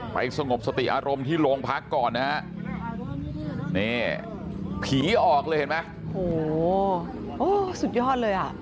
สงบสติอารมณ์ที่โรงพักก่อนนะฮะนี่ผีออกเลยเห็นไหมโอ้โหสุดยอดเลยอ่ะ